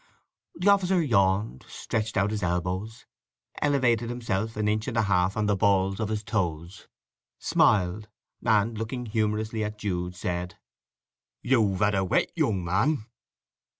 That officer yawned, stretched out his elbows, elevated himself an inch and a half on the balls of his toes, smiled, and looking humorously at Jude, said, "You've had a wet, young man."